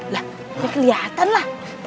lah ya keliatan lah